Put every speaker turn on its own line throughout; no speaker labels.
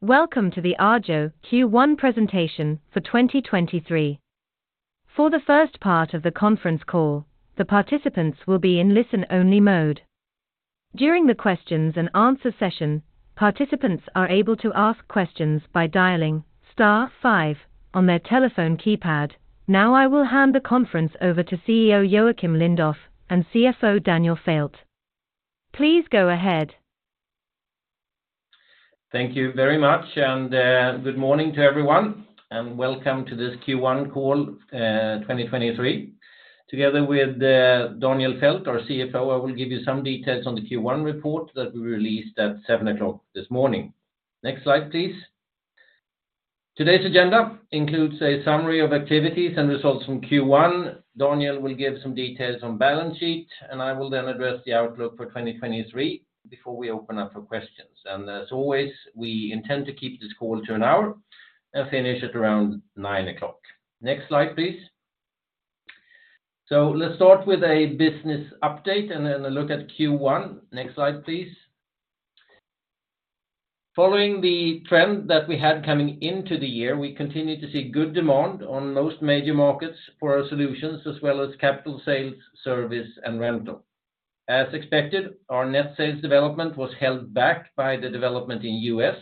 Welcome to the Arjo first quarter presentation for 2023. For the first part of the conference call, the participants will be in listen-only mode. During the questions and answer session, participants are able to ask questions by dialing star five on their telephone keypad. Now I will hand the conference over to CEO Joacim Lindoff and CFO Daniel Fäldt. Please go ahead.
Thank you very much. Good morning to everyone, and welcome to this first quarter call, 2023. Together with Daniel Fäldt, our CFO, I will give you some details on the first quarter report that we released at 7:00AM this morning. Next slide, please. Today's agenda includes a summary of activities and results from first quarter. Daniel will give some details on balance sheet. I will then address the outlook for 2023 before we open up for questions. As always, we intend to keep this call to an hour and finish at around 9:00AM. Next slide, please. Let's start with a business update and then a look at first quarter. Next slide, please. Following the trend that we had coming into the year, we continued to see good demand on most major markets for our solutions as well as capital sales, service, and rental. As expected, our net sales development was held back by the development in US,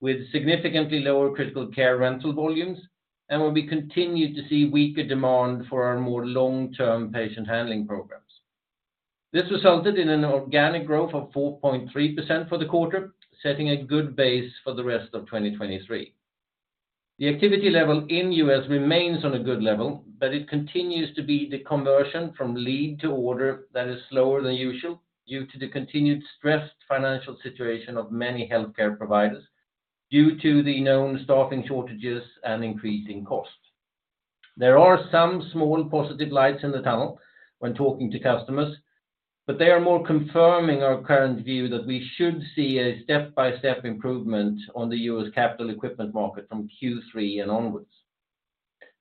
with significantly lower critical care rental volumes and where we continued to see weaker demand for our more long-term patient handling programs. This resulted in an organic growth of 4.3% for the quarter, setting a good base for the rest of 2023. The activity level in US remains on a good level, but it continues to be the conversion from lead to order that is slower than usual due to the continued stressed financial situation of many healthcare providers due to the known staffing shortages and increasing costs. There are some small positive lights in the tunnel when talking to customers, but they are more confirming our current view that we should see a step-by-step improvement on the US capital equipment market from third quarter and onwards.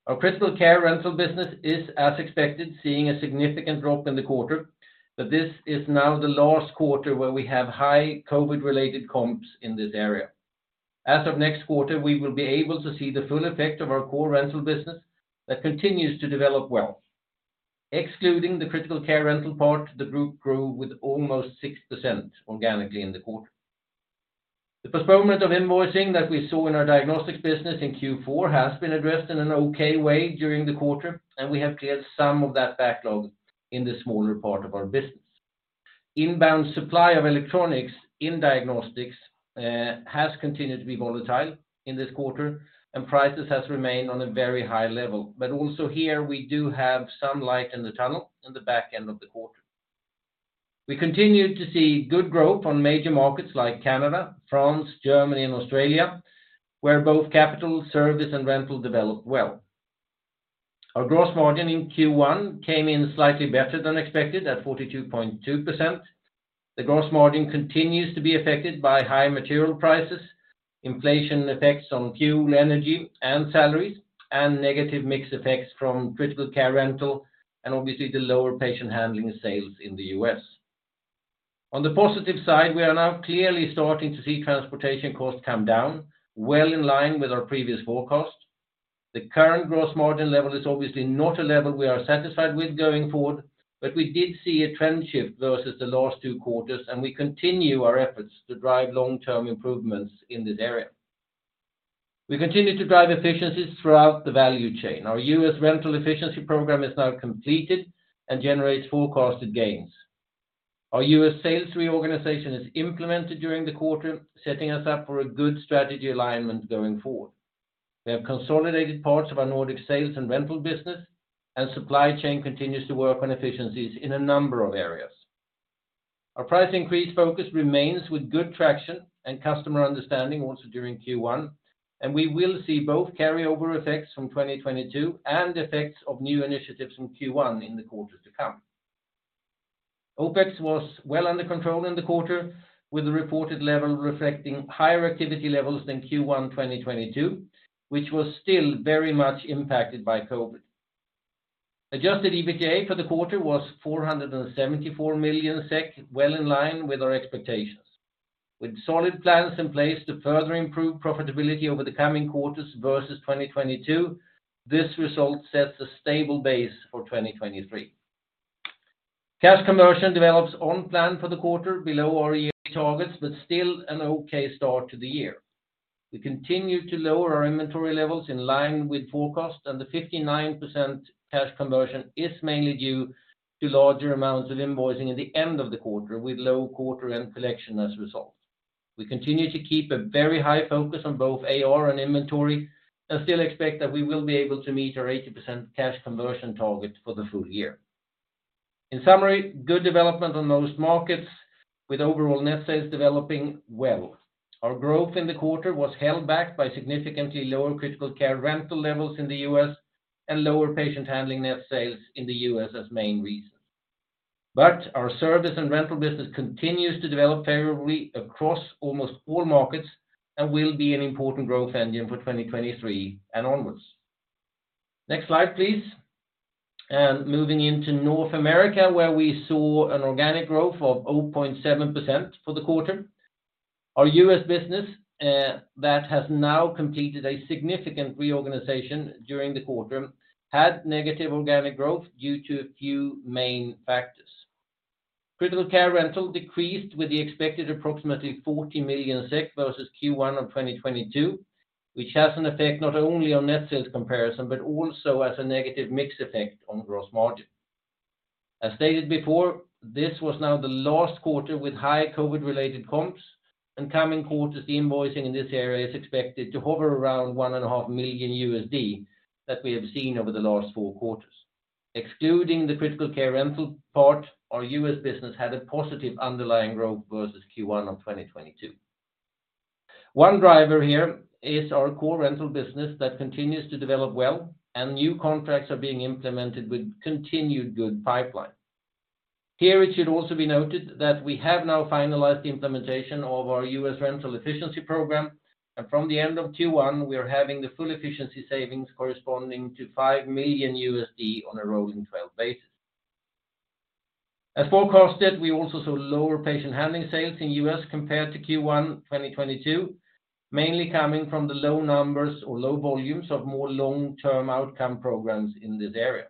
Our critical care rental business is, as expected, seeing a significant drop in the quarter, but this is now the last quarter where we have high COVID-related comps in this area. As of next quarter, we will be able to see the full effect of our core rental business that continues to develop well. Excluding the critical care rental part, the group grew with almost 6% organically in the quarter. The postponement of invoicing that we saw in our diagnostics business in fourth quarter has been addressed in an okay way during the quarter, and we have cleared some of that backlog in the smaller part of our business. Inbound supply of electronics in diagnostics has continued to be volatile in this quarter, and prices has remained on a very high level. Also here, we do have some light in the tunnel in the back end of the quarter. We continued to see good growth on major markets like Canada, France, Germany, and Australia, where both capital, service, and rental developed well. Our gross margin in first quarter came in slightly better than expected at 42.2%. The gross margin continues to be affected by high material prices, inflation effects on fuel, energy, and salaries, and negative mix effects from critical care rental and obviously the lower patient handling sales in the US. On the positive side, we are now clearly starting to see transportation costs come down, well in line with our previous forecast. The current gross margin level is obviously not a level we are satisfied with going forward, but we did see a trend shift versus the last two quarters, and we continue our efforts to drive long-term improvements in this area. We continue to drive efficiencies throughout the value chain. Our US rental efficiency program is now completed and generates forecasted gains. Our US sales reorganization is implemented during the quarter, setting us up for a good strategy alignment going forward. We have consolidated parts of our Nordic sales and rental business, and supply chain continues to work on efficiencies in a number of areas. Our price increase focus remains with good traction and customer understanding also during first quarter, and we will see both carryover effects from 2022 and effects of new initiatives from first quarter in the quarters to come. OPEX was well under control in the quarter, with the reported level reflecting higher activity levels than first quarter 2022, which was still very much impacted by COVID. Adjusted EBITDA for the quarter was 474 million SEK, well in line with our expectations. With solid plans in place to further improve profitability over the coming quarters versus 2022, this result sets a stable base for 2023. Cash conversion develops on plan for the quarter below our yearly targets, but still an okay start to the year. We continue to lower our inventory levels in line with forecast, and the 59% cash conversion is mainly due to larger amounts of invoicing at the end of the quarter with low quarter-end collection as a result. We continue to keep a very high focus on both AR and inventory and still expect that we will be able to meet our 80% cash conversion target for the full year. In summary, good development on most markets with overall net sales developing well. Our growth in the quarter was held back by significantly lower critical care rental levels in the US and lower patient handling net sales in the US as main reasons. Our service and rental business continues to develop favorably across almost all markets and will be an important growth engine for 2023 and onwards. Next slide, please. Moving into North America, where we saw an organic growth of 0.7% for the quarter. Our US business, that has now completed a significant reorganization during the quarter, had negative organic growth due to a few main factors. Critical care rental decreased with the expected approximately 40 million SEK versus first quarter of 2022, which has an effect not only on net sales comparison, but also as a negative mix effect on gross margin. As stated before, this was now the last quarter with high COVID-related comps, and coming quarters, the invoicing in this area is expected to hover around $1.5 million that we have seen over the last four quarters. Excluding the critical care rental part, our US business had a positive underlying growth versus first quarter of 2022. One driver here is our core rental business that continues to develop well, and new contracts are being implemented with continued good pipeline. Here, it should also be noted that we have now finalized the implementation of our US rental efficiency program, and from the end of first quarter, we are having the full efficiency savings corresponding to $5 million on a rolling 12 basis. As forecasted, we also saw lower patient handling sales in US compared to first quarter 2022, mainly coming from the low numbers or low volumes of more long-term outcome programs in this area.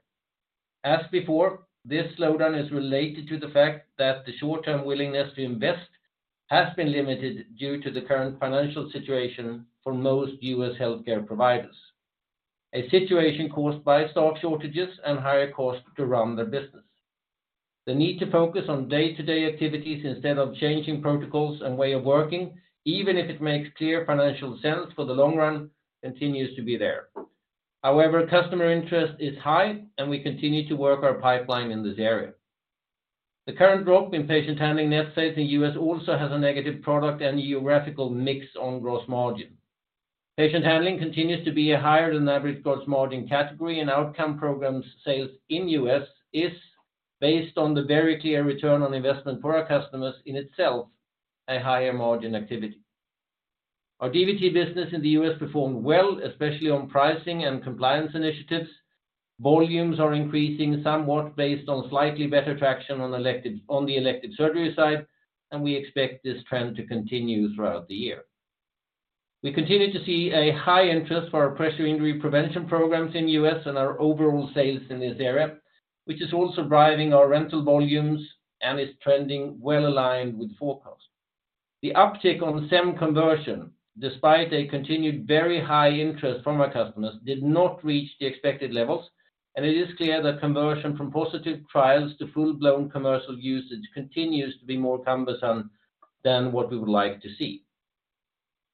As before, this slowdown is related to the fact that the short-term willingness to invest has been limited due to the current financial situation for most US healthcare providers. A situation caused by staff shortages and higher cost to run their business. The need to focus on day-to-day activities instead of changing protocols and way of working, even if it makes clear financial sense for the long run, continues to be there. Customer interest is high. We continue to work our pipeline in this area. The current drop in patient handling net sales in the US also has a negative product and geographical mix on gross margin. Patient handling continues to be a higher-than-average gross margin category. Outcome programs sales in US is based on the very clear return on investment for our customers in itself, a higher margin activity. Our DVT business in the US performed well, especially on pricing and compliance initiatives. Volumes are increasing somewhat based on slightly better traction on the elected surgery side. We expect this trend to continue throughout the year. We continue to see a high interest for our pressure injury prevention programs in US and our overall sales in this area, which is also driving our rental volumes and is trending well aligned with forecast. The uptick on SEM conversion, despite a continued very high interest from our customers, did not reach the expected levels. It is clear that conversion from positive trials to full-blown commercial usage continues to be more cumbersome than what we would like to see.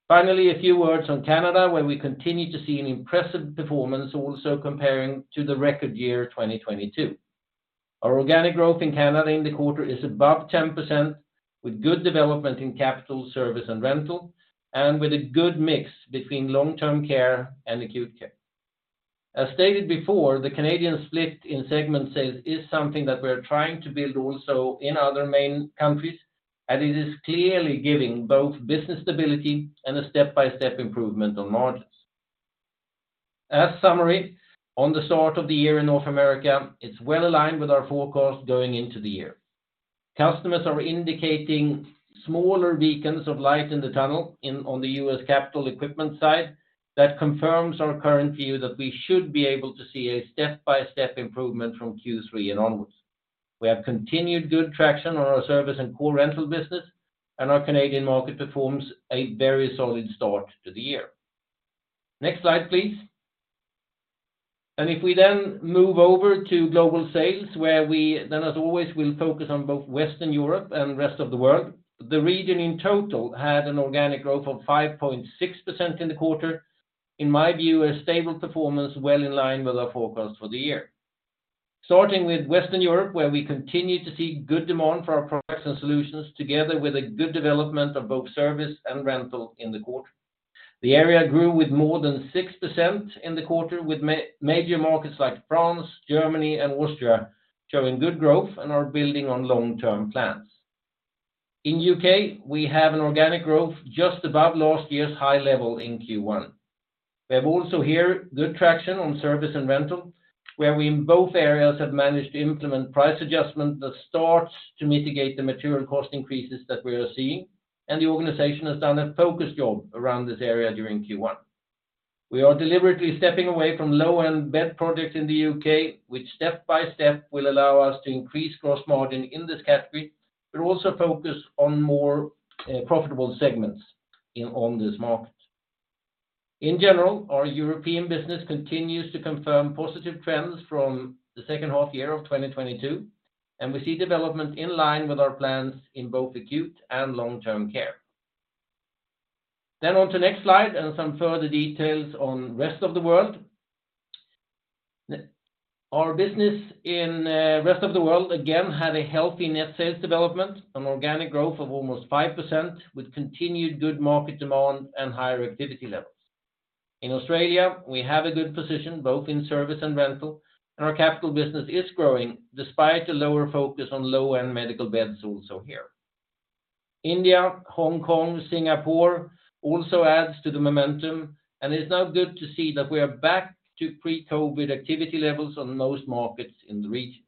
Finally, a few words on Canada, where we continue to see an impressive performance also comparing to the record year, 2022. Our organic growth in Canada in the quarter is above 10%, with good development in capital, service, and rental, and with a good mix between long-term care and acute care. As stated before, the Canadian split in segment sales is something that we're trying to build also in other main countries, and it is clearly giving both business stability and a step-by-step improvement on margins. As summary, on the start of the year in North America, it's well aligned with our forecast going into the year. Customers are indicating smaller beacons of light in the tunnel on the US capital equipment side. That confirms our current view that we should be able to see a step-by-step improvement from third quarter and onwards. We have continued good traction on our service and core rental business. Our Canadian market performs a very solid start to the year. Next slide, please. If we then move over to global sales, where we then, as always, will focus on both Western Europe and the rest of the world. The region in total had an organic growth of 5.6% in the quarter. In my view, a stable performance well in line with our forecast for the year. Starting with Western Europe, where we continue to see good demand for our products and solutions together with a good development of both service and rental in the quarter. The area grew with more than 6% in the quarter, with major markets like France, Germany, and Austria showing good growth and are building on long-term plans. In the UK, we have an organic growth just above last year's high level in first quarter. We have also here good traction on service and rental, where we in both areas have managed to implement price adjustment that starts to mitigate the material cost increases that we are seeing, and the organization has done a focus job around this area during first quarter. We are deliberately stepping away from low-end bed products in the UK, which step by step will allow us to increase gross margin in this category, but also focus on more profitable segments on this market. In general, our European business continues to confirm positive trends from the second half year of 2022, and we see development in line with our plans in both acute and long-term care. On to next slide and some further details on rest of the world. Our business in rest of the world, again, had a healthy net sales development, an organic growth of almost 5%, with continued good market demand and higher activity levels. In Australia, we have a good position both in service and rental, and our capital business is growing despite the lower focus on low-end medical beds also here. India, Hong Kong, Singapore also adds to the momentum, and it's now good to see that we are back to pre-COVID activity levels on most markets in the region.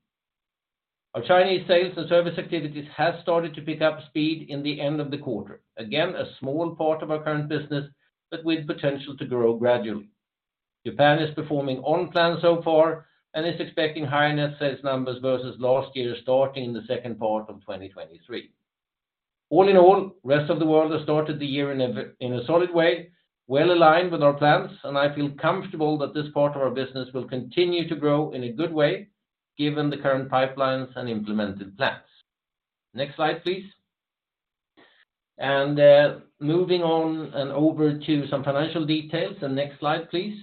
Our Chinese sales and service activities have started to pick up speed in the end of the quarter. Again, a small part of our current business, but with potential to grow gradually. Japan is performing on plan so far and is expecting higher net sales numbers versus last year starting in the second part of 2023. All in all, rest of the world has started the year in a solid way, well aligned with our plans, and I feel comfortable that this part of our business will continue to grow in a good way given the current pipelines and implemented plans. Next slide, please. Moving on and over to some financial details. Next slide, please.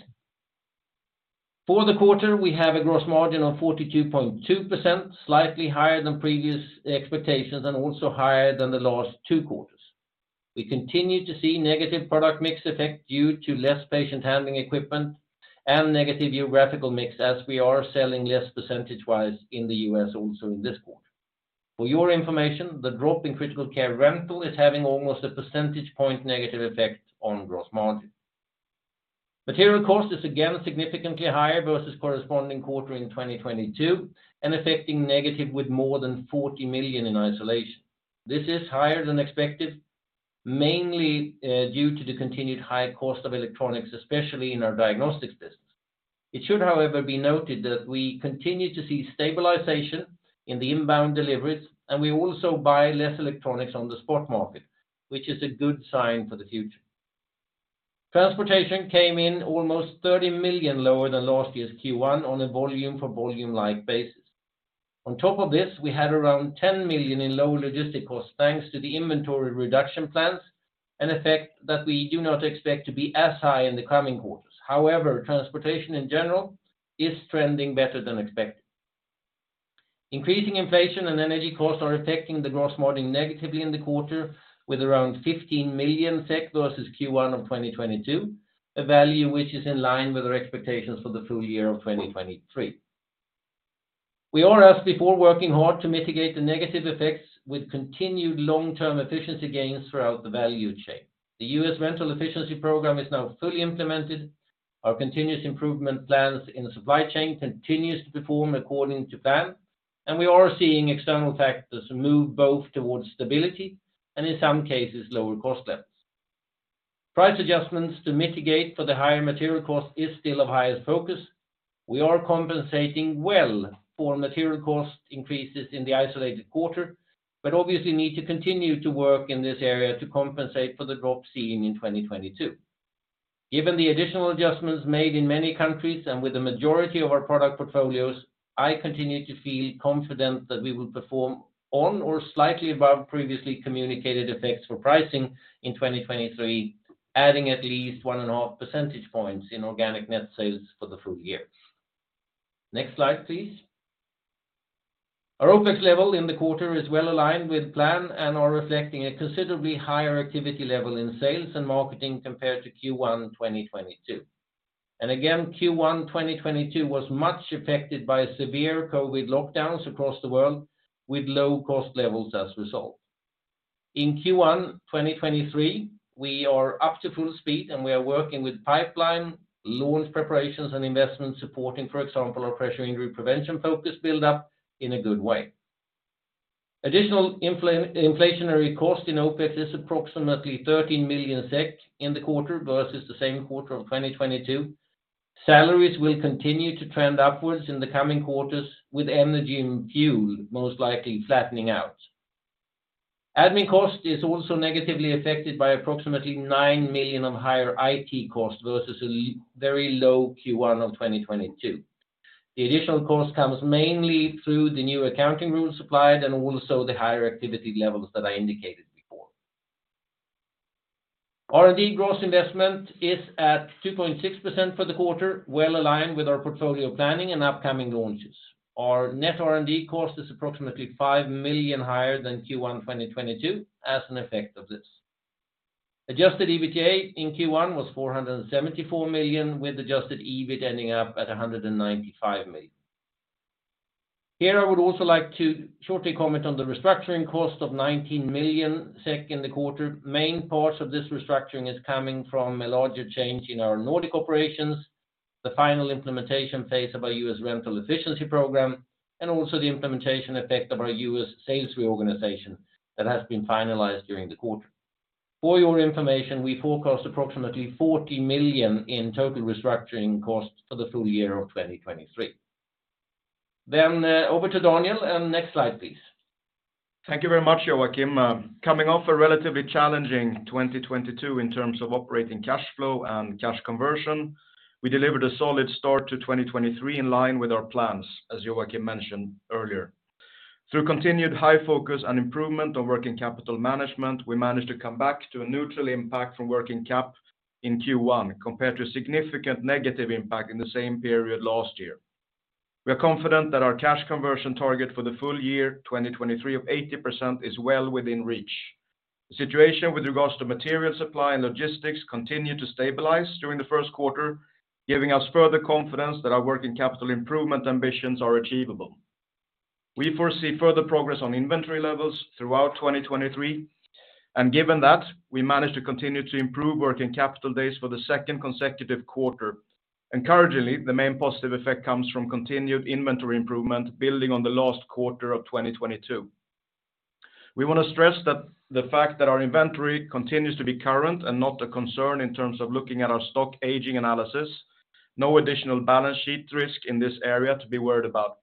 For the quarter, we have a gross margin of 42.2%, slightly higher than previous expectations and also higher than the last two quarters. We continue to see negative product mix effect due to less patient handling equipment and negative geographical mix as we are selling less percentagewise in the US also in this quarter. For your information, the drop-in critical care rental is having almost a percentage point negative effect on gross margin. Material cost is again significantly higher versus corresponding quarter in 2022 and affecting negative with more than 40 million in isolation. This is higher than expected, mainly due to the continued high cost of electronics, especially in our diagnostics business. It should, however, be noted that we continue to see stabilization in the inbound deliveries, and we also buy less electronics on the spot market, which is a good sign for the future. Transportation came in almost 30 million lower than last year's first quarter on a volume for volume-like basis. On top of this, we had around 10 million in lower logistic costs, thanks to the inventory reduction plans, an effect that we do not expect to be as high in the coming quarters. However, transportation in general is trending better than expected. Increasing inflation and energy costs are affecting the gross margin negatively in the quarter with around 15 million SEK versus first quarter of 2022, a value which is in line with our expectations for the full year of 2023. We are, as before, working hard to mitigate the negative effects with continued long-term efficiency gains throughout the value chain. The US rental efficiency program is now fully implemented, our continuous improvement plans in the supply chain continues to perform according to plan. We are seeing external factors move both towards stability and in some cases, lower cost levels. Price adjustments to mitigate for the higher material cost is still of highest focus. We are compensating well for material cost increases in the isolated quarter. Obviously need to continue to work in this area to compensate for the drop seen in 2022. Given the additional adjustments made in many countries and with the majority of our product portfolios, I continue to feel confident that we will perform on or slightly above previously communicated effects for pricing in 2023, adding at least one and a half percentage points in organic net sales for the full year. Next slide, please. Our OPEX level in the quarter is well aligned with plan and are reflecting a considerably higher activity level in sales and marketing compared to first quarter 2022. Again, first quarter 2022 was much affected by severe COVID lockdowns across the world with low cost levels as a result. In first quarter 2023, we are up to full speed, and we are working with pipeline, launch preparations, and investment supporting, for example, our pressure injury prevention focus buildup in a good way. Additional inflationary cost in OPEX is approximately 13 million SEK in the quarter versus the same quarter of 2022. Salaries will continue to trend upwards in the coming quarters, with energy and fuel most likely flattening out. Admin cost is also negatively affected by approximately 9 million on higher IT costs versus a very low first quarter of 2022. The additional cost comes mainly through the new accounting rules applied and also the higher activity levels that I indicated before. R&D gross investment is at 2.6% for the quarter, well aligned with our portfolio planning and upcoming launches. Our net R&D cost is approximately 5 million higher than first quarter 2022 as an effect of this. Adjusted EBITDA in first quarter was 474 million, with adjusted EBIT ending up at 195 million. Here, I would also like to shortly comment on the restructuring cost of 19 million SEK in the quarter. Main parts of this restructuring is coming from a larger change in our Nordic operations, the final implementation phase of our US rental efficiency program, and also the implementation effect of our US sales reorganization that has been finalized during the quarter. For your information, we forecast approximately 40 million in total restructuring costs for the full year of 2023. Over to Daniel. Next slide, please.
Thank you very much, Joacim. Coming off a relatively challenging 2022 in terms of operating cash flow and cash conversion, we delivered a solid start to 2023 in line with our plans, as Joacim mentioned earlier. Through continued high focus and improvement on working capital management, we managed to come back to a neutral impact from working cap in first quarter compared to a significant negative impact in the same period last year. We are confident that our cash conversion target for the full year 2023 of 80% is well within reach. The situation with regards to material supply and logistics continued to stabilize during the first quarter, giving us further confidence that our working capital improvement ambitions are achievable. Given that, we managed to continue to improve working capital days for the second consecutive quarter. Encouragingly, the main positive effect comes from continued inventory improvement building on the last quarter of 2022. We want to stress that the fact that our inventory continues to be current and not a concern in terms of looking at our stock aging analysis, no additional balance sheet risk in this area to be worried about.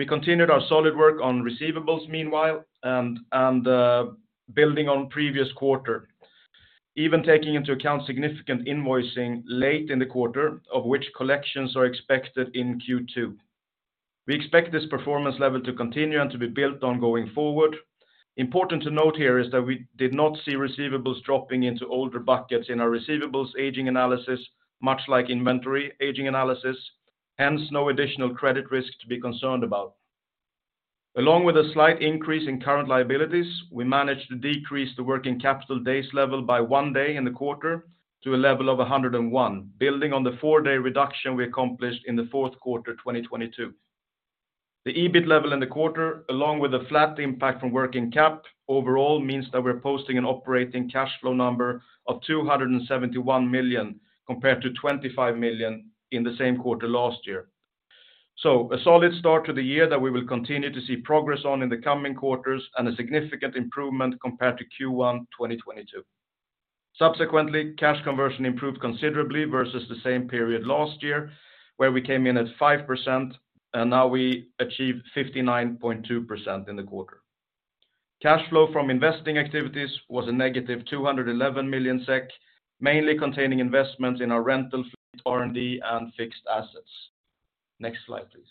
We continued our solid work on receivables meanwhile and building on previous quarter, even taking into account significant invoicing late in the quarter of which collections are expected in second quarter. We expect this performance level to continue and to be built on going forward. Important to note here is that we did not see receivables dropping into older buckets in our receivables aging analysis, much like inventory aging analysis, hence, no additional credit risk to be concerned about. Along with a slight increase in current liabilities, we managed to decrease the working capital days level by one day in the quarter to a level of 101, building on the four-day reduction we accomplished in the fourth quarter, 2022. The EBIT level in the quarter, along with a flat impact from working cap overall means that we're posting an operating cash flow number of 271 million compared to 25 million in the same quarter last year. A solid start to the year that we will continue to see progress on in the coming quarters and a significant improvement compared to first quarter, 2022. Subsequently, cash conversion improved considerably versus the same period last year, where we came in at 5%, and now we achieved 59.2% in the quarter. Cash flow from investing activities was a negative 211 million SEK, mainly containing investments in our rental fleet, R&D, and fixed assets. Next slide, please.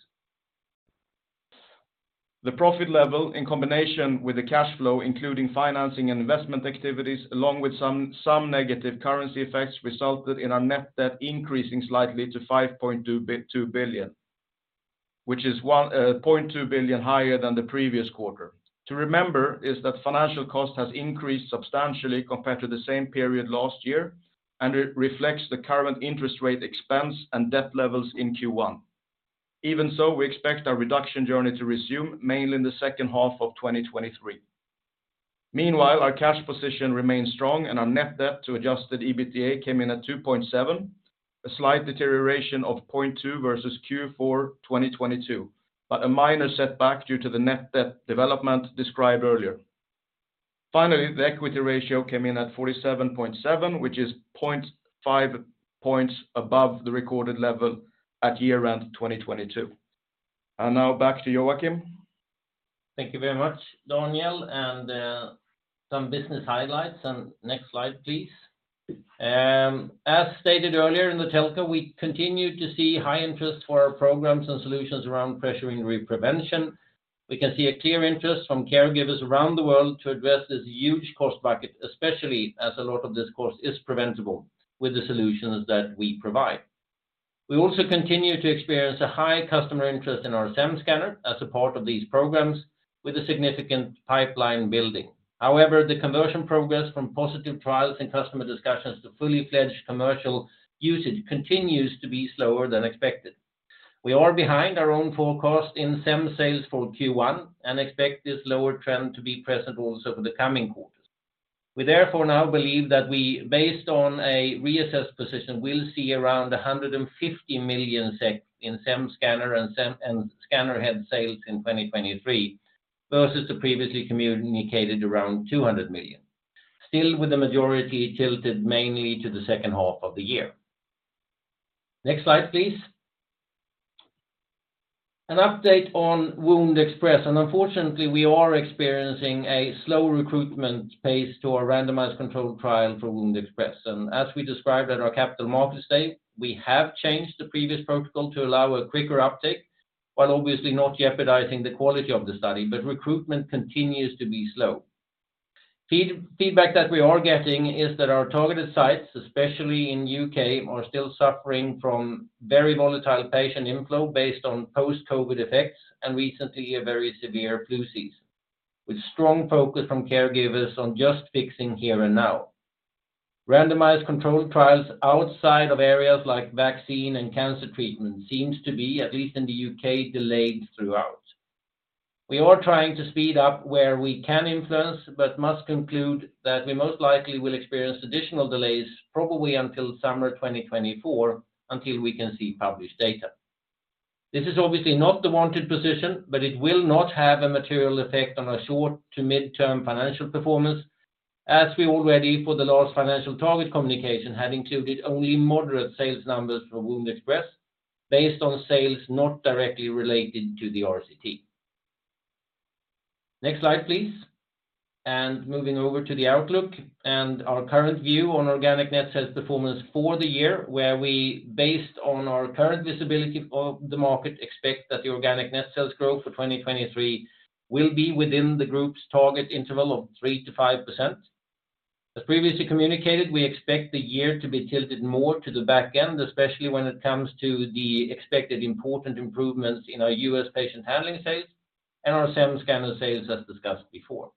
The profit level in combination with the cash flow, including financing and investment activities along with some negative currency effects, resulted in our net debt increasing slightly to 5.2 billion, which is 1.2 billion higher than the previous quarter. To remember is that financial cost has increased substantially compared to the same period last year, and it reflects the current interest rate expense and debt levels in first quarter. Even so, we expect our reduction journey to resume mainly in the second half of 2023. Meanwhile, our cash position remains strong, and our net debt to adjusted EBITDA came in at 2.7%, a slight deterioration of 0.2% versus fourth quarter, 2022. A minor setback due to the net debt development described earlier. Finally, the equity ratio came in at 47.7%, which is 0.5% points above the recorded level at year-end 2022. Now back to Joakim.
Thank you very much, Daniel. Some business highlights. Next slide, please. As stated earlier in the telco, we continue to see high interest for our programs and solutions around pressure injury prevention. We can see a clear interest from caregivers around the world to address this huge cost bucket, especially as a lot of this cost is preventable with the solutions that we provide. We also continue to experience a high customer interest in our SEM scanner as a part of these programs with a significant pipeline building. However, the conversion progress from positive trials and customer discussions to fully fledged commercial usage continues to be slower than expected. We are behind our own forecast in SEM sales for first quarter and expect this lower trend to be present also for the coming quarters. We therefore now believe that we, based on a reassessed position, will see around 150 million SEK in SEM scanner and scanner head sales in 2023 versus the previously communicated around 200 million. With the majority tilted mainly to the second half of the year. Next slide, please. An update on WoundExpress, unfortunately, we are experiencing a slow recruitment pace to our randomized controlled trial for WoundExpress. As we described at our capital market stage, we have changed the previous protocol to allow a quicker uptake, while obviously not jeopardizing the quality of the study, recruitment continues to be slow. Feedback that we are getting is that our targeted sites, especially in UK, are still suffering from very volatile patient inflow based on post-COVID effects and recently a very severe flu season, with strong focus from caregivers on just fixing here and now. Randomized controlled trials outside of areas like vaccine and cancer treatment seems to be, at least in the UK, delayed throughout. Must conclude that we most likely will experience additional delays probably until summer 2024 until we can see published data. This is obviously not the wanted position. It will not have a material effect on our short to mid-term financial performance, as we already, for the last financial target communication, had included only moderate sales numbers for WoundExpress based on sales not directly related to the RCT. Next slide, please. Moving over to the outlook and our current view on organic net sales performance for the year, where we, based on our current visibility of the market, expect that the organic net sales growth for 2023 will be within the group's target interval of 3% to 5%. As previously communicated, we expect the year to be tilted more to the back end, especially when it comes to the expected important improvements in our US patient handling sales and our SEM Scanner sales as discussed before.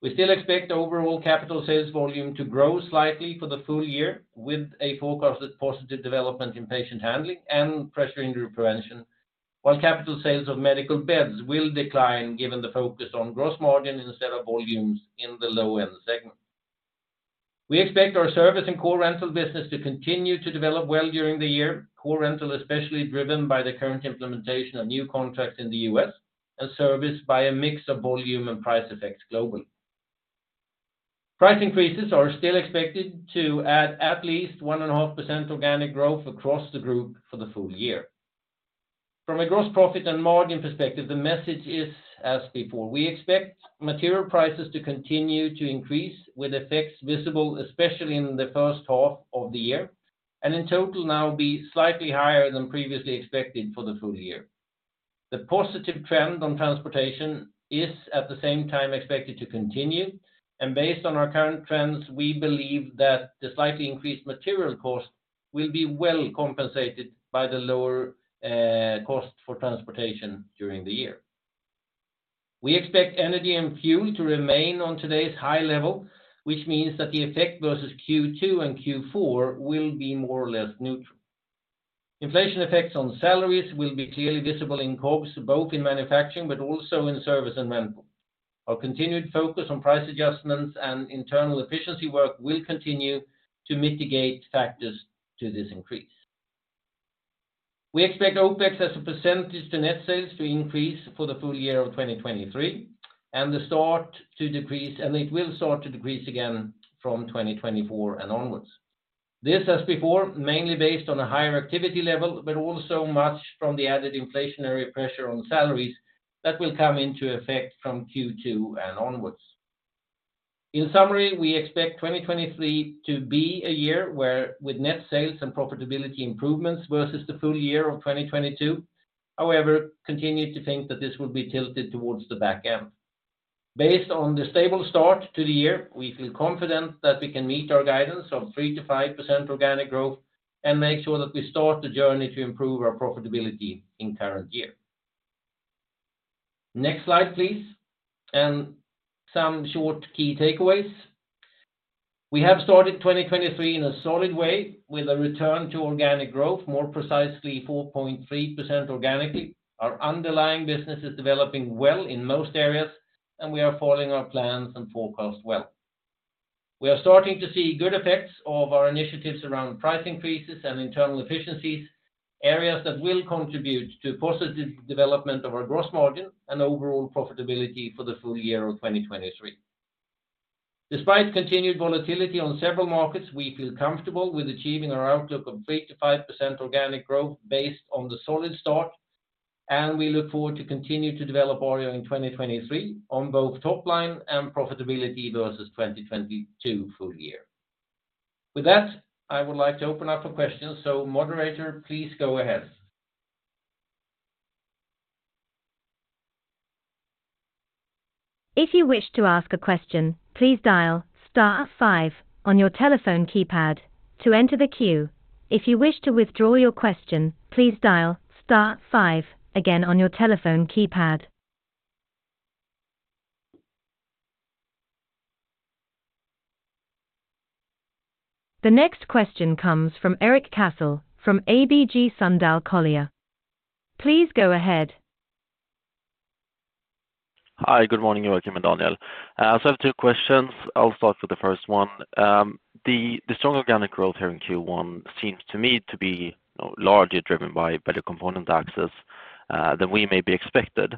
We still expect overall capital sales volume to grow slightly for the full year, with a forecasted positive development in patient handling and pressure injury prevention, while capital sales of medical beds will decline given the focus on gross margin instead of volumes in the low-end segment. We expect our service and core rental business to continue to develop well during the year. Core rental, especially driven by the current implementation of new contracts in the US, and service by a mix of volume and price effects globally. Price increases are still expected to add at least 1.5% organic growth across the group for the full year. From a gross profit and margin perspective, the message is as before. We expect material prices to continue to increase, with effects visible, especially in the first half of the year, and in total now be slightly higher than previously expected for the full year. Based on our current trends, we believe that the slightly increased material cost will be well compensated by the lower cost for transportation during the year. We expect energy and fuel to remain on today's high level, which means that the effect versus second quarter and fourth quarter will be more or less neutral. Inflation effects on salaries will be clearly visible in COGS, both in manufacturing but also in service and rental. Our continued focus on price adjustments and internal efficiency work will continue to mitigate factors to this increase. We expect OPEX as a % to net sales to increase for the full year of 2023, and it will start to decrease again from 2024 and onwards. This as before, mainly based on a higher activity level, but also much from the added inflationary pressure on salaries that will come into effect from second quarter and onwards. In summary, we expect 2023 to be a year where with net sales and profitability improvements versus the full year of 2022, however, continue to think that this will be tilted towards the back end. Based on the stable start to the year, we feel confident that we can meet our guidance of 3% to 5% organic growth and make sure that we start the journey to improve our profitability in current year. Next slide, please. Some short key takeaways. We have started 2023 in a solid way with a return to organic growth, more precisely 4.3% organically. Our underlying business is developing well in most areas, and we are following our plans and forecast well. We are starting to see good effects of our initiatives around price increases and internal efficiencies, areas that will contribute to positive development of our gross margin and overall profitability for the full year of 2023. Despite continued volatility on several markets, we feel comfortable with achieving our outlook of 3% to 5% organic growth based on the solid start. We look forward to continue to develop Arjo in 2023 on both top line and profitability versus 2022 full year. With that, I would like to open up for questions. Moderator, please go ahead.
If you wish to ask a question, please dial star five on your telephone keypad to enter the queue. If you wish to withdraw your question, please dial star five again on your telephone keypad. The next question comes from Erik Cassel from ABG Sundal Collier. Please go ahead.
Hi, good morning, Joacim and Daniel. I have two questions. I'll start with the first one. The, the strong organic growth here in first quarter seems to me to be largely driven by better component access than we may be expected.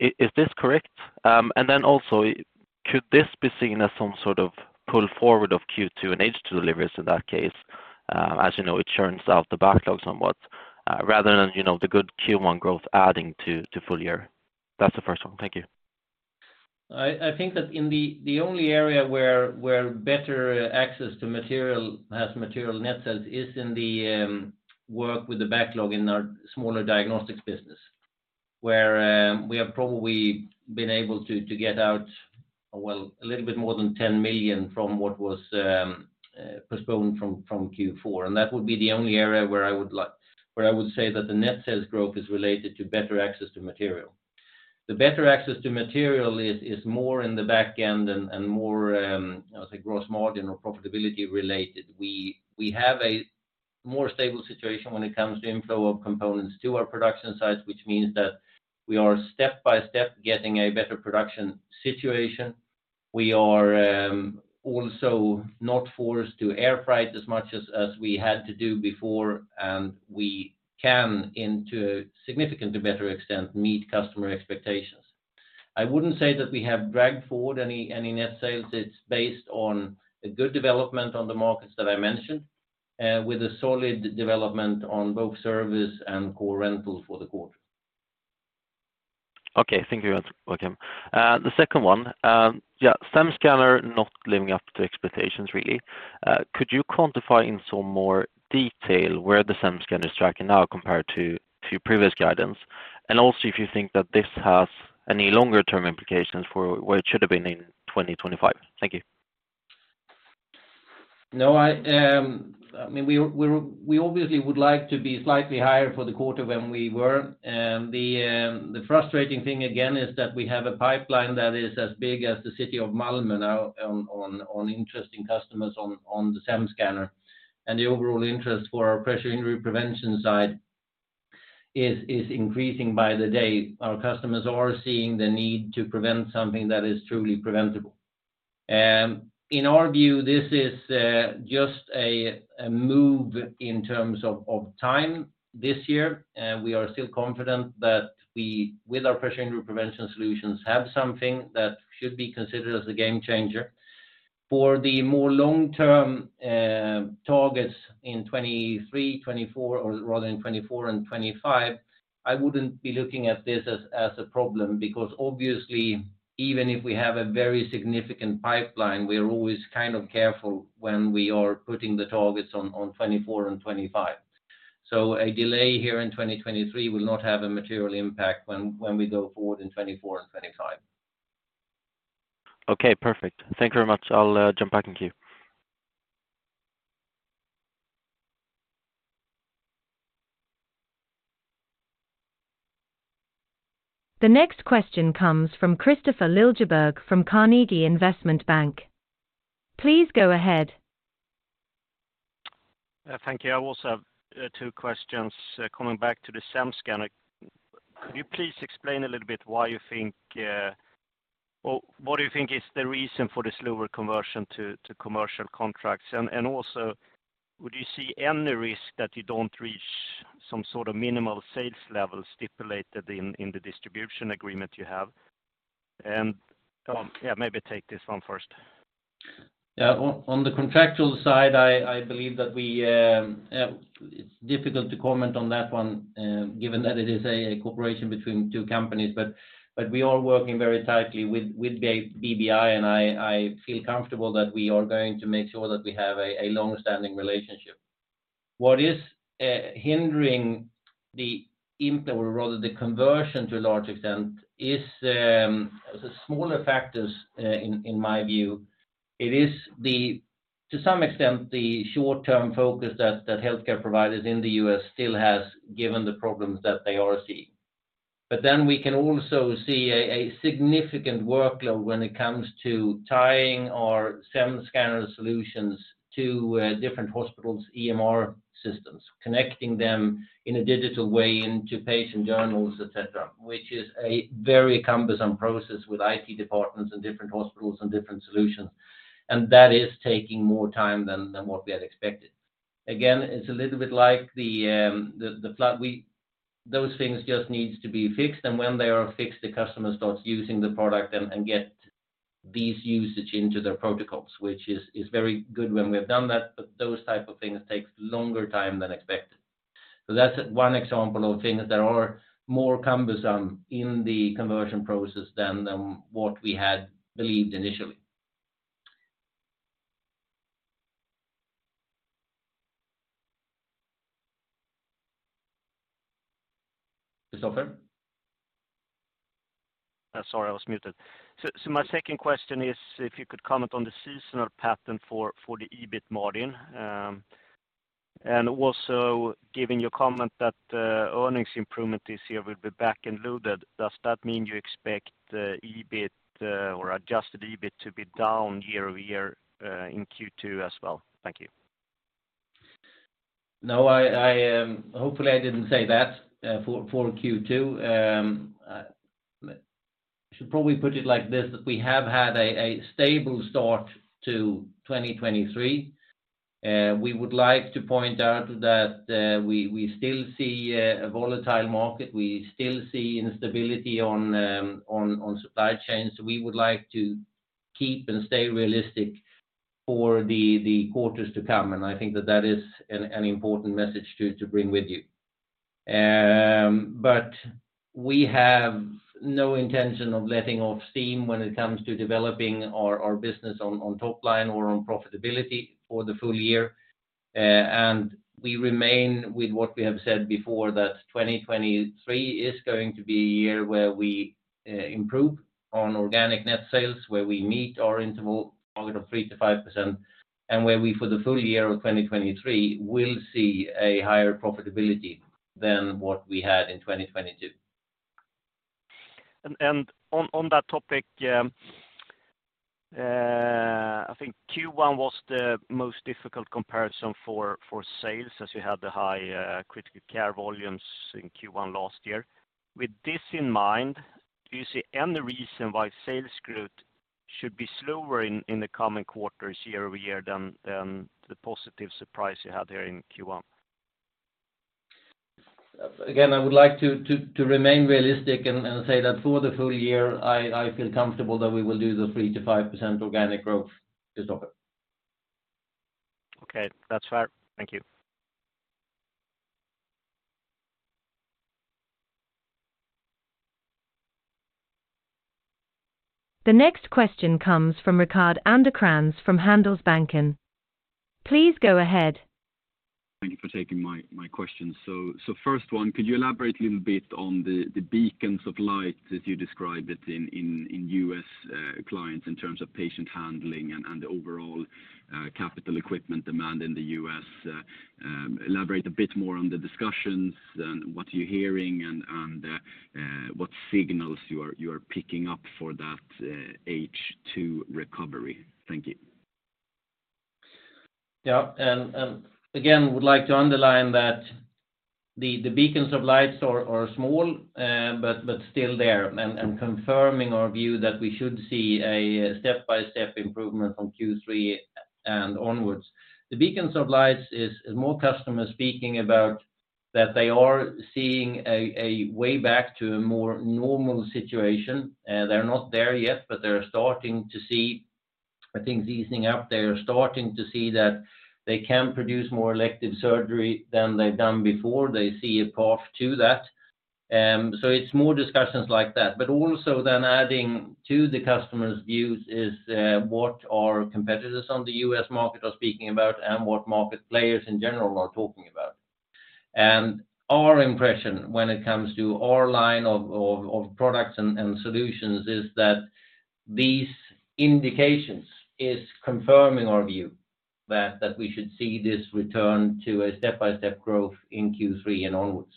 Is, is this correct? Also, could this be seen as some sort of pull forward of second quarter and H2 deliveries in that case? As you know, it churns out the backlogs somewhat, rather than, you know, the good first quarter growth adding to full year. That's the first one. Thank you.
I think that in the only area where better access to material has material net sales is in the work with the backlog in our smaller diagnostics business. Where we have probably been able to get out, well, a little bit more than 10 million from what was postponed from fourth quarter. That would be the only area where I would say that the net sales growth is related to better access to material. The better access to material is more in the back end and more as a gross margin or profitability related. We have a more stable situation when it comes to inflow of components to our production sites, which means that we are step-by-step getting a better production situation. We are also not forced to air freight as much as we had to do before, and we can into significantly better extent meet customer expectations. I wouldn't say that we have dragged forward any net sales. It's based on a good development on the markets that I mentioned, with a solid development on both service and core rentals for the quarter.
Okay. Thank you. That's welcome. The second one, yeah, SEM Scanner not living up to expectations, really. Could you quantify in some more detail where the SEM Scanner is tracking now compared to previous guidance? Also, if you think that this has any longer term implications for where it should have been in 2025. Thank you.
No, I mean, we obviously would like to be slightly higher for the quarter when we were. The frustrating thing again is that we have a pipeline that is as big as the city of Malmö now on interesting customers on the SEM scanner. The overall interest for our pressure injury prevention side is increasing by the day. Our customers are seeing the need to prevent something that is truly preventable. In our view, this is just a move in terms of time this year. We are still confident that we, with our pressure injury prevention solutions, have something that should be considered as a game changer. For the more long-term targets in 2023, 2024, or rather in 2024 and 2025, I wouldn't be looking at this as a problem, because obviously, even if we have a very significant pipeline, we are always kind of careful when we are putting the targets on 2024 and 2025. A delay here in 2023 will not have a material impact when we go forward in 2024 and 2025.
Okay, perfect. Thank you very much. I'll jump back in queue.
The next question comes from Kristofer Liljeberg from Carnegie Investment Bank. Please go ahead.
Thank you. I also have two questions coming back to the SEM scanner. Could you please explain a little bit why you think or what do you think is the reason for the slower conversion to commercial contracts? Also, would you see any risk that you don't reach some sort of minimal sales level stipulated in the distribution agreement you have? Yeah, maybe take this one first.
On the contractual side, I believe that we, it's difficult to comment on that one, given that it is a cooperation between two companies. We are working very tightly with BBI, and I feel comfortable that we are going to make sure that we have a long-standing relationship. What is hindering the or rather the conversion to a large extent is the smaller factors in my view. It is the, to some extent, the short-term focus that healthcare providers in the US still has given the problems that they are seeing. We can also see a significant workload when it comes to tying our SEM scanner solutions to different hospitals' EMR systems, connecting them in a digital way into patient journals, et cetera, which is a very cumbersome process with IT departments and different hospitals and different solutions. That is taking more time than what we had expected. Again, it's a little bit like. Those things just needs to be fixed, and when they are fixed, the customer starts using the product and get these usage into their protocols, which is very good when we have done that, but those type of things takes longer time than expected. That's one example of things that are more cumbersome in the conversion process than what we had believed initially. Kristofer?
Sorry, I was muted. My second question is if you could comment on the seasonal pattern for the EBIT margin. Also given your comment that earnings improvement this year will be back-end loaded, does that mean you expect the EBIT or adjusted EBIT to be down year-over-year in second quarter as well? Thank you.
No, I hopefully I didn't say that for second quarter. Should probably put it like this, that we have had a stable start to 2023. We would like to point out that we still see a volatile market. We still see instability on supply chains. We would like to keep and stay realistic for the quarters to come, and I think that is an important message to bring with you. We have no intention of letting off steam when it comes to developing our business on top line or on profitability for the full year. We remain with what we have said before, that 2023 is going to be a year where we improve on organic net sales, where we meet our interval target of 3% to 5%, and where we, for the full year of 2023, will see a higher profitability than what we had in 2022.
On that topic, I think first quarter was the most difficult comparison for sales, as you had the high, critical care volumes in first quarter last year. With this in mind, do you see any reason why sales growth should be slower in the coming quarters year-over-year than the positive surprise you had there in first quarter?
I would like to remain realistic and say that for the full year, I feel comfortable that we will do the 3% to 5% organic growth, Kristofer.
Okay. That's fair. Thank you.
The next question comes from Rickard Anderkrans from Handelsbanken. Please go ahead.
Thank you for taking my question. First one, could you elaborate a little bit on the beacons of light, as you describe it in US clients in terms of patient handling and the overall capital equipment demand in the US? Elaborate a bit more on the discussions and what you're hearing and what signals you are picking up for that H2 recovery. Thank you.
Yeah. Again, would like to underline that the beacons of lights are small, but still there, and confirming our view that we should see a step-by-step improvement from third quarter and onwards. The beacons of lights is more customers speaking about that they are seeing a way back to a more normal situation. They're not there yet, but they're starting to see things easing up. They are starting to see that they can produce more elective surgery than they've done before. They see a path to that. It's more discussions like that. Also then adding to the customers' views is what our competitors on the US market are speaking about and what market players in general are talking about. Our impression when it comes to our line of products and solutions is that these indications is confirming our view that we should see this return to a step-by-step growth in third quarter and onwards.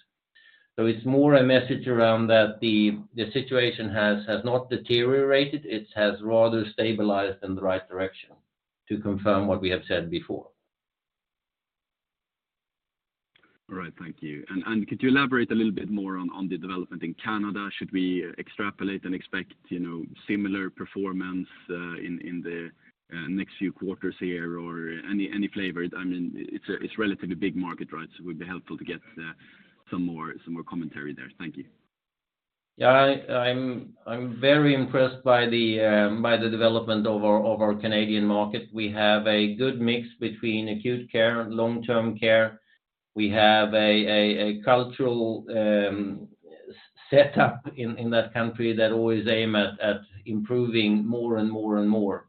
It's more a message around that the situation has not deteriorated, it has rather stabilized in the right direction to confirm what we have said before.
All right. Thank you. Could you elaborate a little bit more on the development in Canada? Should we extrapolate and expect, you know, similar performance in the next few quarters here or any flavor? I mean, it's a relatively big market, right? It would be helpful to get some more commentary there. Thank you.
Yeah. I'm very impressed by the development of our Canadian market. We have a good mix between acute care, long-term care. We have a cultural set up in that country that always aim at improving more and more and more.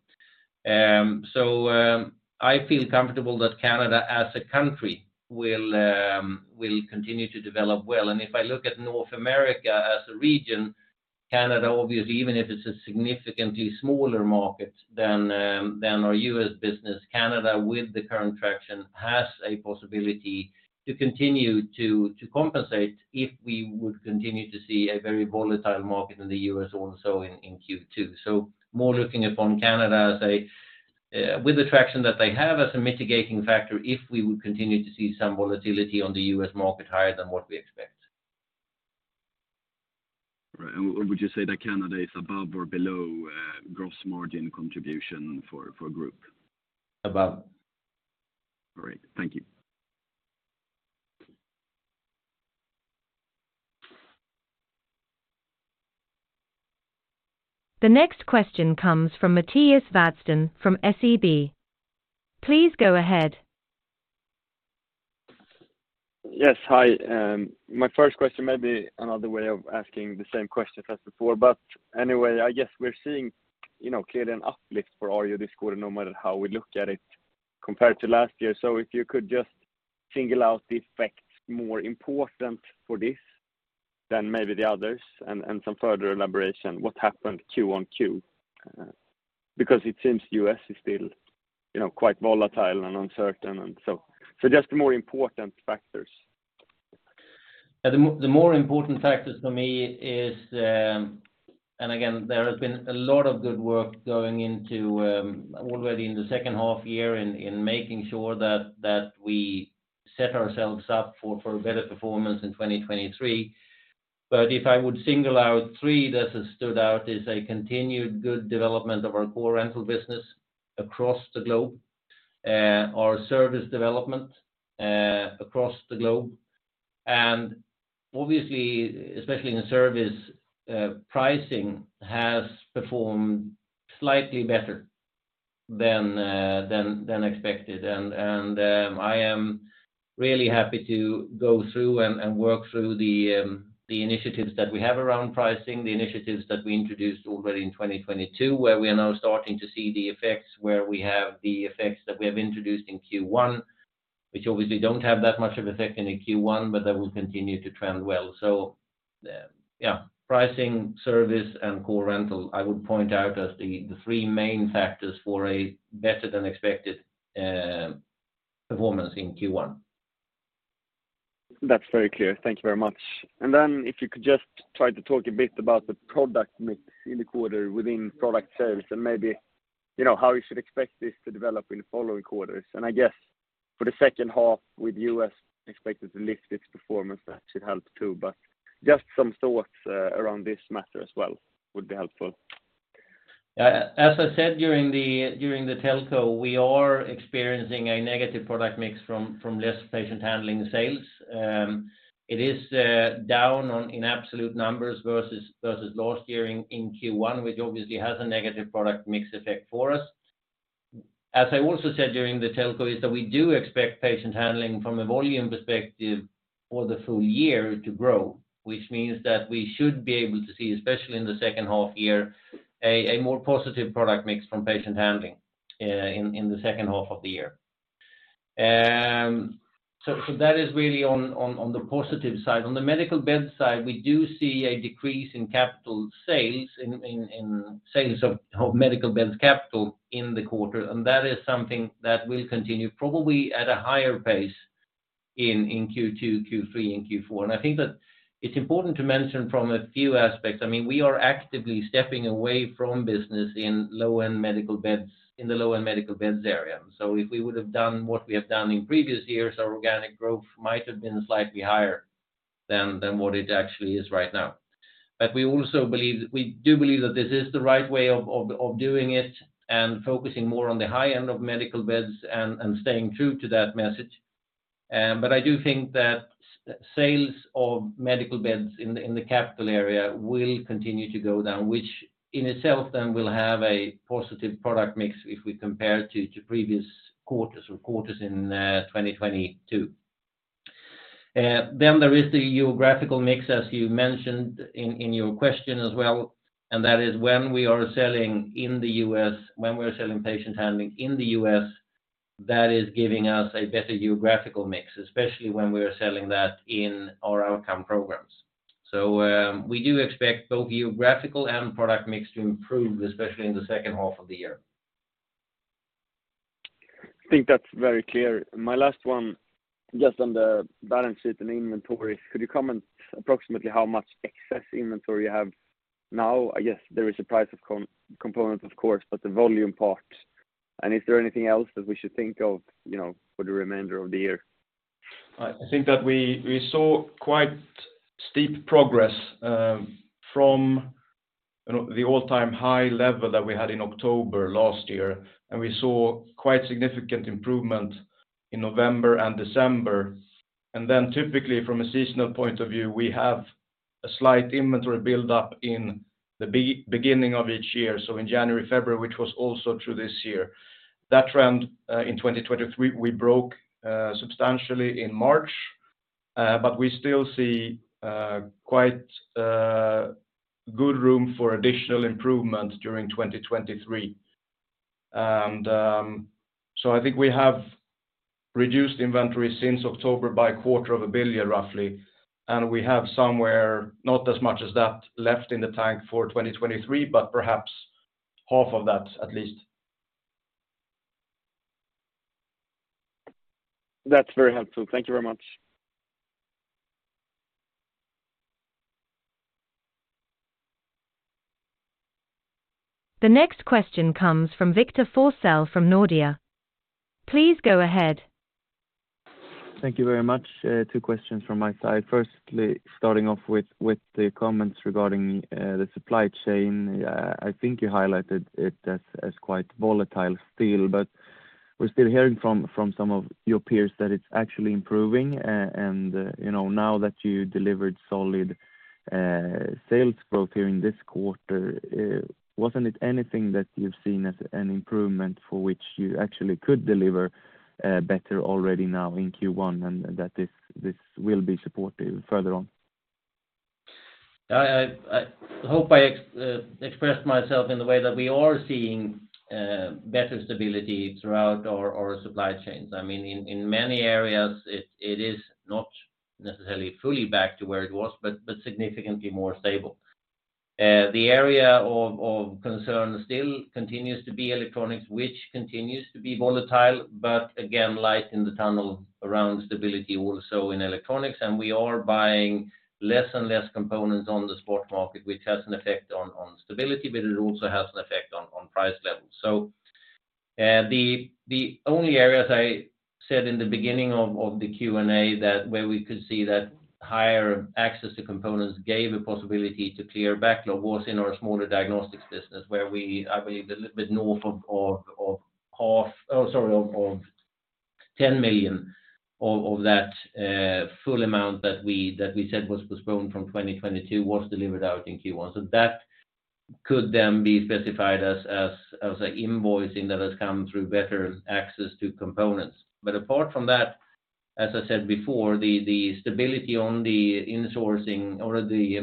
I feel comfortable that Canada as a country will continue to develop well. If I look at North America as a region, Canada, obviously, even if it's a significantly smaller market than our US business, Canada with the current traction has a possibility to continue to compensate if we would continue to see a very volatile market in the US also in second quarter. More looking upon Canada as a with the traction that they have as a mitigating factor, if we would continue to see some volatility on the US market higher than what we expect.
Right. Would you say that Canada is above or below gross margin contribution for group?
Above.
All right. Thank you.
The next question comes from Mattias Vadsten from SEB. Please go ahead.
Hi. My first question may be another way of asking the same question as before. Anyway, I guess we're seeing, you know, clearly an uplift for Arjo this quarter no matter how we look at it compared to last year. If you could just single out the effects more important for this than maybe the others, and some further elaboration, what happened quarter on quarter? It seems US is still, you know, quite volatile and uncertain and so. Just the more important factors.
Yeah. The more important factors for me is. Again, there has been a lot of good work going into already in the second half-year in making sure that we set ourselves up for a better performance in 2023. If I would single out three that has stood out is a continued good development of our core rental business across the globe, our service development across the globe. Obviously, especially in the service, pricing has performed slightly better than expected. I am really happy to go through and work through the initiatives that we have around pricing, the initiatives that we introduced already in 2022, where we are now starting to see the effects, where we have the effects that we have introduced in first quarter, which obviously don't have that much of effect in the first quarter, but that will continue to trend well. Yeah, pricing, service, and core rental, I would point out as the three main factors for a better than expected performance in first quarter.
That's very clear. Thank you very much. If you could just try to talk a bit about the product mix in the quarter within product service and maybe, you know, how you should expect this to develop in the following quarters. I guess for the second half with US expected to lift its performance, that should help too. Just some thoughts around this matter as well would be helpful.
As I said during the telco, we are experiencing a negative product mix from less patient handling sales. It is down in absolute numbers versus last year in first quarter, which obviously has a negative product mix effect for us. I also said during the telco is that we do expect patient handling from a volume perspective for the full year to grow, which means that we should be able to see, especially in the second half year, a more positive product mix from patient handling in the second half of the year. That is really on the positive side. On the medical bed side, we do see a decrease in capital sales in sales of medical beds capital in the quarter. That is something that will continue probably at a higher pace in second quarter, third quarter, and fourth quarter. I think that it's important to mention from a few aspects, I mean, we are actively stepping away from business in low-end medical beds area. If we would have done what we have done in previous years, our organic growth might have been slightly higher than what it actually is right now. We also believe we do believe that this is the right way of doing it and focusing more on the high end of medical beds and staying true to that message. I do think that sales of medical beds in the, in the capital area will continue to go down, which in itself then will have a positive product mix if we compare to previous quarters or quarters in 2022. There is the geographical mix, as you mentioned in your question as well, and that is when we are selling in the US, when we're selling patient handling in the US, that is giving us a better geographical mix, especially when we're selling that in our outcome programs. We do expect both geographical and product mix to improve, especially in the second half of the year.
I think that's very clear. My last one, just on the balance sheet and inventory, could you comment approximately how much excess inventory you have now? I guess there is a price of component, of course, but the volume part. Is there anything else that we should think of, you know, for the remainder of the year?
I think that we saw quite steep progress, from, you know, the all-time high level that we had in October last year. We saw quite significant improvement in November and December. Typically from a seasonal point of view, we have a slight inventory build-up in the beginning of each year, so in January, February, which was also true this year. That trend, in 2023, we broke substantially in March, but we still see quite good room for additional improvement during 2023. I think we have reduced inventory since October by a quarter of a billion SEK, roughly. We have somewhere, not as much as that left in the tank for 2023, but perhaps half of that at least.
That's very helpful. Thank you very much.
The next question comes from Victor Forssell from Nordea. Please go ahead.
Thank you very much. Two questions from my side. Firstly, starting off with the comments regarding the supply chain. I think you highlighted it as quite volatile still, but we're still hearing from some of your peers that it's actually improving. You know, now that you delivered solid sales growth here in this quarter, wasn't it anything that you've seen as an improvement for which you actually could deliver better already now in first quarter, and that this will be supportive further on?
I hope I expressed myself in the way that we are seeing better stability throughout our supply chains. I mean, in many areas, it is not necessarily fully back to where it was, but significantly more stable. The area of concern still continues to be electronics, which continues to be volatile, but again, light in the tunnel around stability also in electronics. We are buying less and less components on the spot market, which has an effect on stability, but it also has an effect on price levels. The only areas I said in the beginning of the Q&A that where we could see that higher access to components gave a possibility to clear backlog was in our smaller diagnostics business where we, I believe, a little bit north of half, or sorry, of 10 million of that full amount that we said was postponed from 2022 was delivered out in first quarter. That could then be specified as an invoicing that has come through better access to components. Apart from that, as I said before, the stability on the insourcing or the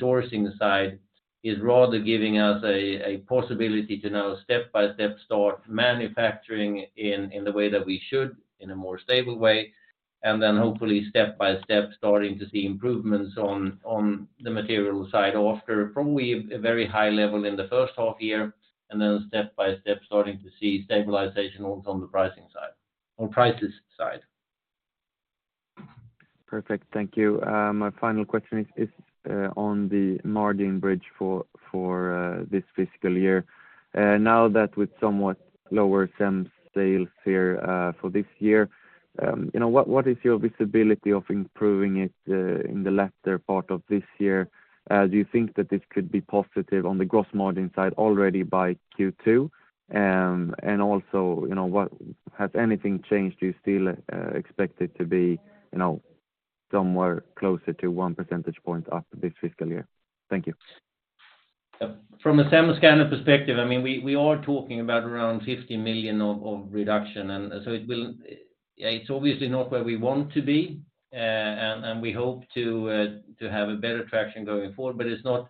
sourcing side is rather giving us a possibility to now step by step start manufacturing in the way that we should in a more stable way, and then hopefully step by step starting to see improvements on the material side after probably a very high level in the first half year, and then step by step starting to see stabilization also on the pricing side.
Perfect. Thank you. My final question is on the margin bridge for this fiscal year. Now that with somewhat lower SEM sales here for this year, you know, what is your visibility of improving it in the latter part of this year? Do you think that this could be positive on the gross margin side already by second quarter? Also, you know, has anything changed? Do you still expect it to be, you know, somewhere closer to one percentage point up this fiscal year? Thank you.
From a SEM scanner perspective, I mean, we are talking about around 50 million of reduction. It's obviously not where we want to be, and we hope to have a better traction going forward, but it's not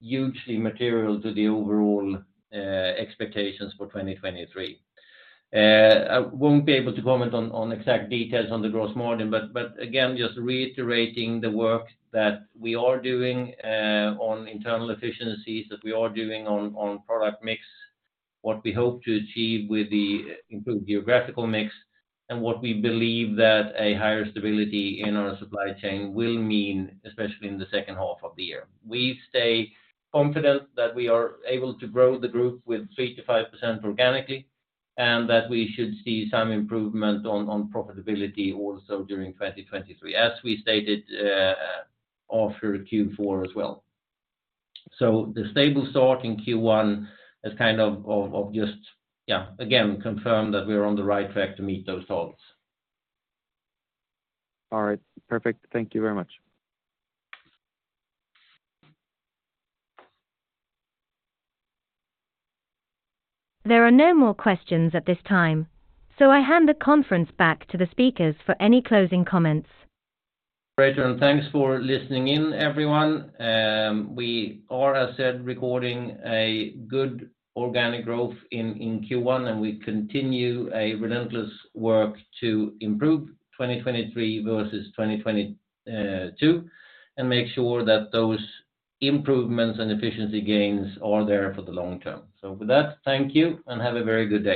hugely material to the overall expectations for 2023. I won't be able to comment on exact details on the gross margin, but again, just reiterating the work that we are doing on internal efficiencies, that we are doing on product mix, what we hope to achieve with the improved geographical mix, and what we believe that a higher stability in our supply chain will mean, especially in the second half of the year. We stay confident that we are able to grow the group with 3% to 5% organically, and that we should see some improvement on profitability also during 2023, as we stated after fourth quarter as well. The stable start in first quarter is kind of just again, confirm that we're on the right track to meet those targets.
All right. Perfect. Thank you very much.
There are no more questions at this time, so I hand the conference back to the speakers for any closing comments.
Great. Thanks for listening in, everyone. We are, as said, recording a good organic growth in first quarter, and we continue a relentless work to improve 2023 versus 2022 and make sure that those improvements and efficiency gains are there for the long term. With that, thank you, and have a very good day.